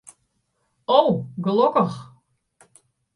O, gelokkich.